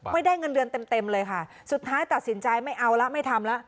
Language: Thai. ไม่ได้เงินเดือนเต็มเต็มเลยค่ะสุดท้ายตัดสินใจไม่เอาละไม่ทำแล้ว